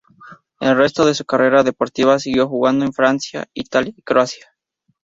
El resto de su carrera deportiva siguió jugando en Francia, Italia, y Croacia.